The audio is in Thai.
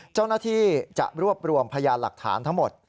เจ้าหน้าที่จะรวบรวมพยานหลักฐานทั้งหมด